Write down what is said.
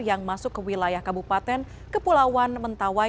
yang masuk ke wilayah kabupaten kepulauan mentawai